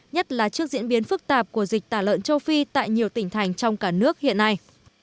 nhất là trước diễn biến phức tạp của dịch tả lợn châu phi tại nhiều tỉnh thành trong cả nước hiện nay